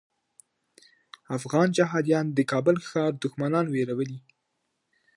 افغان جهاديان د کابل ښار دښمنان ویرولي.